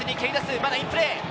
まだインプレー。